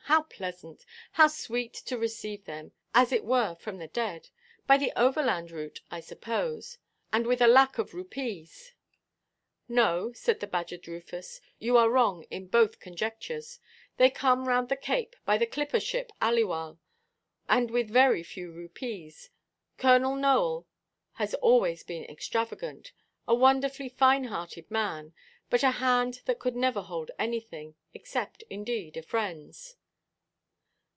How pleasant! How sweet to receive them, as it were from the dead! By the overland route, I suppose, and with a lac of rupees?" "No," said the badgered Rufus, "you are wrong in both conjectures. They come round the Cape, by the clipper–ship Aliwal; and with very few rupees. Colonel Nowell has always been extravagant, a wonderfully fine–hearted man, but a hand that could never hold anything—except, indeed, a friendʼs."